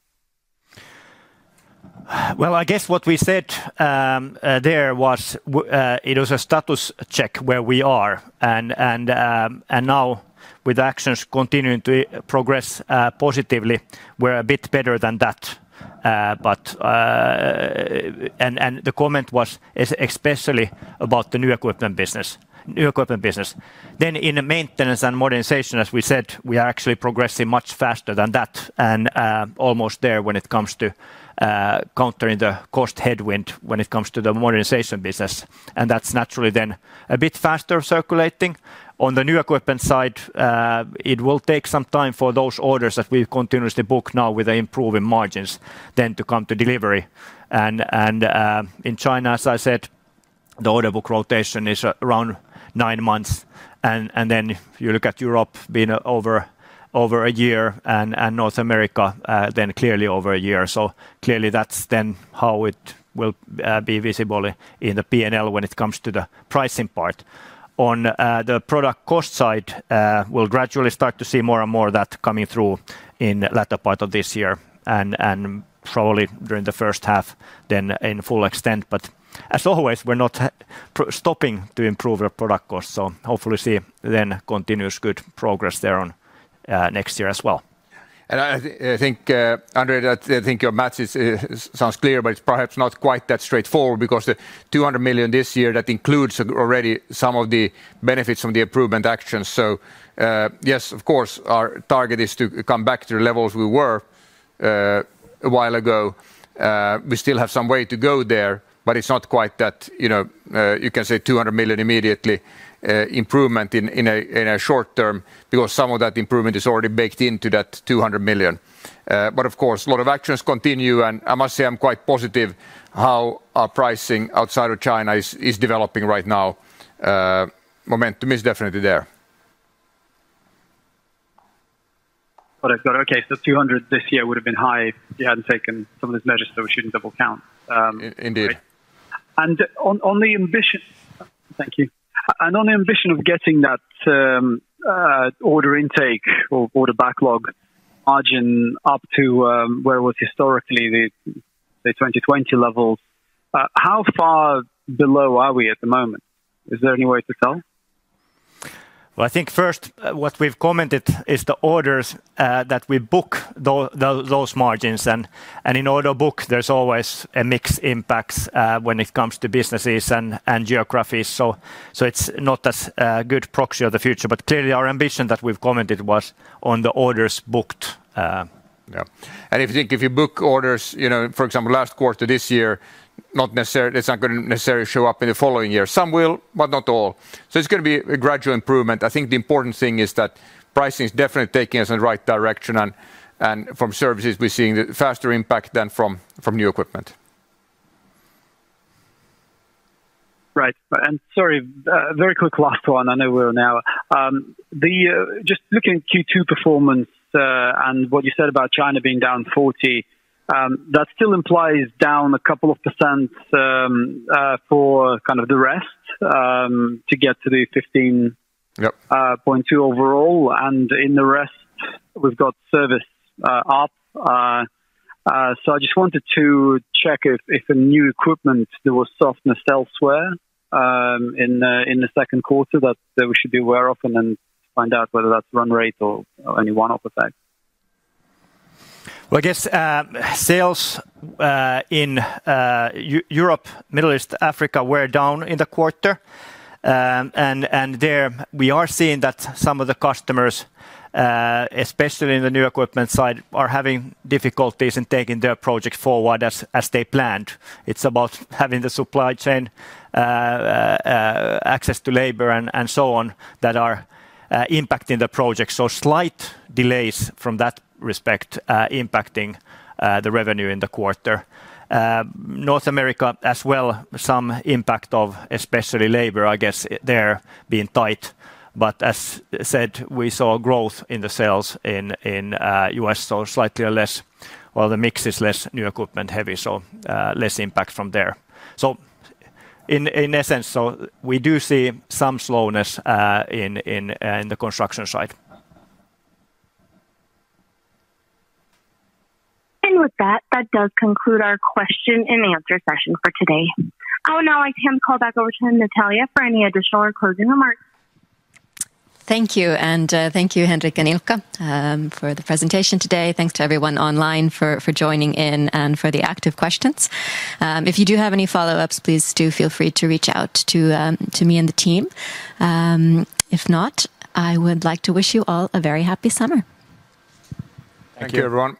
Well, I guess what we said, it was a status check where we are and now with actions continuing to progress positively, we're a bit better than that. The comment was especially about the New Equipment business. In the maintenance and modernization, as we said, we are actually progressing much faster than that and almost there when it comes to countering the cost headwind when it comes to the modernization business, and that's naturally then a bit faster circulating. On the New Equipment side, it will take some time for those orders that we've continuously booked now with the improving margins then to come to delivery. In China, as I said, the order book rotation is around nine months. If you look at Europe being over a year and North America, then clearly over a year. Clearly that's then how it will be visible in the P&L when it comes to the pricing part. On the product cost side, we'll gradually start to see more and more of that coming through in latter part of this year and probably during the first half then in full extent. As always, we're not stopping to improve our product cost, so hopefully see then continuous good progress there in next year as well. I think, Andre, that I think your math is sounds clear, but it's perhaps not quite that straightforward because the 200 million this year, that includes already some of the benefits from the improvement actions. Yes, of course, our target is to come back to the levels we were a while ago. We still have some way to go there, but it's not quite that you can say 200 million immediately improvement in a short-term because some of that improvement is already baked into that 200 million. But of course, a lot of actions continue, and I must say I'm quite positive how our pricing outside of China is developing right now. Momentum is definitely there. What I've got. Okay. 200 million this year would have been high if you hadn't taken some of these measures, so we shouldn't double count. Indeed. On the ambition. Thank you. On the ambition of getting that order intake or order backlog margin up to where it was historically, the 2020 levels, how far below are we at the moment? Is there any way to tell? Well, I think first what we've commented is the orders that we book those margins. In order book there's always a mix impacts when it comes to businesses and geographies. It's not as good proxy of the future. Clearly our ambition that we've commented was on the orders booked. Yeah. If you think if you book orders, you know, for example, last quarter this year, not necessarily, it's not gonna necessarily show up in the following year. Some will, but not all. It's gonna be a gradual improvement. I think the important thing is that pricing is definitely taking us in the right direction, and from Services we're seeing the faster impact than from New Equipment. Right. Sorry, very quick last one. I know we're an hour. Just looking at Q2 performance, and what you said about China being down 40%, that still implies down a couple of percent for kind of the rest, to get to the 15.2%- Yep. ...overall. In the rest, we've got service up. I just wanted to check if in New Equipment there was softness elsewhere, in the second quarter that we should be aware of and then find out whether that's run rate or any one-off effects. Well, I guess, sales in Europe, Middle East, Africa were down in the quarter. There we are seeing that some of the customers, especially in the New Equipment side, are having difficulties in taking their project forward as they planned. It's about having the supply chain, access to labor and so on that are impacting the project. Slight delays from that respect, impacting the revenue in the quarter. North America as well, some impact of especially labor, I guess, there being tight. As said, we saw growth in the sales in U.S., so slightly less. Well, the mix is less new equipment heavy, so less impact from there. In essence, we do see some slowness in the construction side. With that does conclude our question and answer session for today. I would now like to hand the call back over to Natalia for any additional or closing remarks. Thank you. Thank you Henrik and Ilkka for the presentation today. Thanks to everyone online for joining in and for the active questions. If you do have any follow-ups, please do feel free to reach out to me and the team. If not, I would like to wish you all a very happy summer. Thank you. Thank you, everyone.